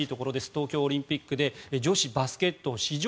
東京オリンピックで女子バスケットを史上